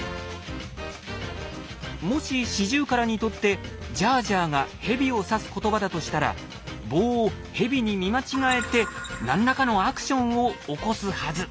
もしシジュウカラにとって「ジャージャー」がヘビを指す言葉だとしたら棒をヘビに見間違えて何らかのアクションを起こすはず。